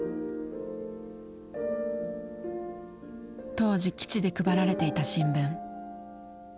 当時基地で配られていた新聞。